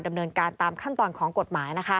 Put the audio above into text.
ดำเนินการตามขั้นตอนของกฎหมายนะคะ